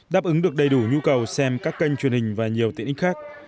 đáp ứng được đầy đủ nhu cầu xem các kênh truyền hình và nhiều tiện ích khác